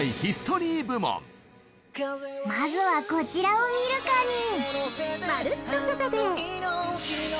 まずはこちらを見るかに。